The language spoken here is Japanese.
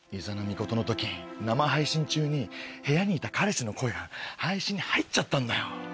ミコトの時生配信中に部屋にいた彼氏の声が配信に入っちゃったんだよ。